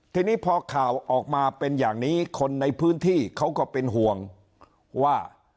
ทีนี้พอข่าวออกมาเป็นอย่างนี้คนในพื้นที่เขาก็เป็นห่วงว่า